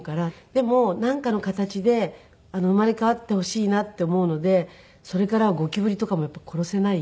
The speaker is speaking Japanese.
でもなんかの形で生まれ変わってほしいなって思うのでそれからはゴキブリとかもやっぱり殺せない。